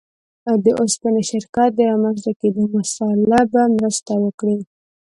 د اوسپنې شرکت د رامنځته کېدو مسأله به مرسته وکړي.